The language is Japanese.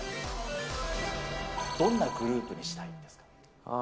どんなグループにしたいですか。